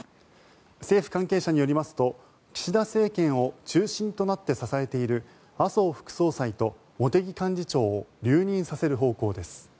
政府関係者によりますと岸田政権を中心となって支えている麻生副総裁と茂木幹事長を留任させる方向です。